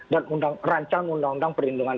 dan undang undang perlindungan